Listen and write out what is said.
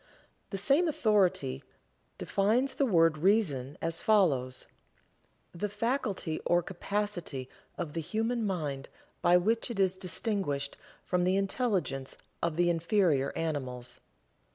The same authority defines the word Reason as follows: "The faculty or capacity of the human mind by which it is distinguished from the intelligence of the inferior animals."